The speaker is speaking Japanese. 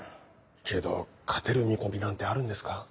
けど勝てる見込みなんてあるんですか？